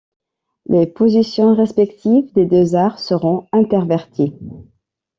Les positions respectives des deux arts seront interverties.